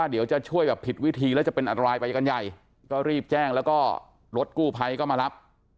เดี๋ยวจะช่วยแบบผิดวิธีแล้วจะเป็นอันตรายไปกันใหญ่ก็รีบแจ้งแล้วก็รถกู้ภัยก็มารับ